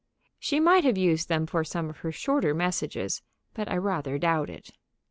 She might have used them for some of her shorter messages, but I rather doubt it.